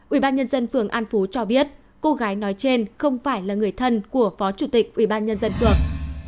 ủy ban nhân dân phường an phú cho biết cô gái nói trên không phải là người thân của phó chủ tịch ủy ban nhân dân phường